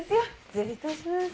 失礼いたします。